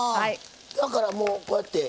だからもうこうやって。